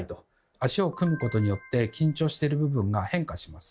足を組むことによって緊張してる部分が変化します。